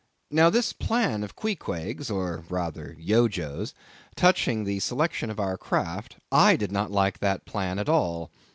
Now, this plan of Queequeg's, or rather Yojo's, touching the selection of our craft; I did not like that plan at all.